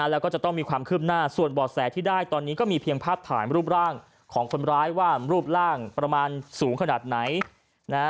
แล้วก็จะต้องมีความคืบหน้าส่วนบ่อแสที่ได้ตอนนี้ก็มีเพียงภาพถ่ายรูปร่างของคนร้ายว่ารูปร่างประมาณสูงขนาดไหน